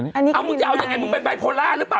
เอามึงจะเอายังไงมึงเป็นไบโพล่าหรือเปล่า